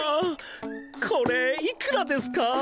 これいくらですか？